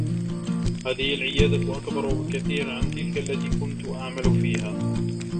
هذه العيادة أكبر بكثير عن تلك التي كنت أعمل فيها.